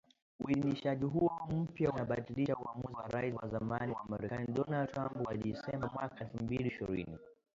Uidhinishaji huo mpya unabatilisha uamuzi wa Rais wa zamani wa Marekani Donald Trump wa Disemba mwaka elfu mbili ishirini